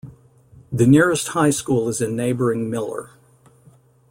The nearest high school is in neighbouring Miller.